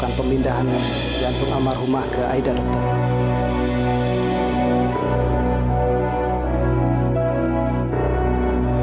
apakah kita perlu ber sutrad dalam aspirasi